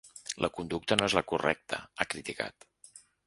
La conducta no és la correcta, ha criticat.